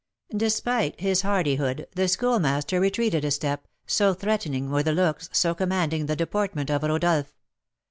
Despite his hardihood, the Schoolmaster retreated a step, so threatening were the looks, so commanding the deportment, of Rodolph.